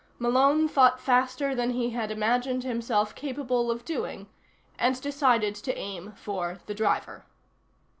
Malone thought faster than he had imagined himself capable of doing, and decided to aim for the driver.